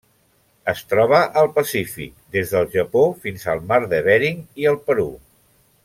Es troba al Pacífic: des del Japó fins al Mar de Bering i el Perú.